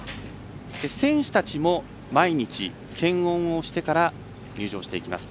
選手たちも毎日、検温をしてから入場していきます。